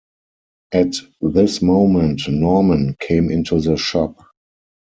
At this moment Norman came into the shop.